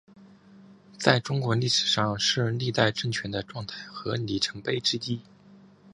在中国历史上是历代政权的状态和里程碑之一。